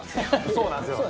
そうなんですよね。